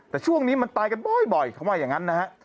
แต่ช่วงนี้มันตายกันบ่อยเขาว่าอย่างนั้นนะฮะ